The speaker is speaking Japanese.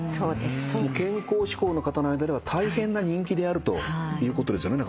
健康志向の方の間では大変な人気であるということですよね